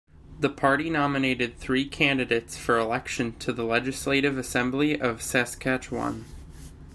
The party nominated three candidates for election to the Legislative Assembly of Saskatchewan.